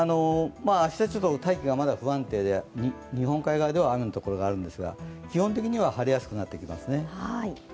明日、大気がまだ不安定で日本海側では雨の所があるんですが、基本的には晴れやすくなってきますね。